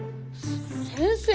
先生